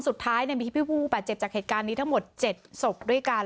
สุดท้ายมีชีพผู้อุปจศจากเหตุการณ์ทั้งหมด๗สกด้วยกัน